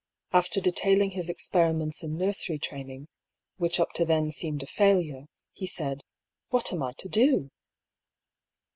After detailing his experiments in nursery training, which up to then seemed a failure, he said, " What am I to do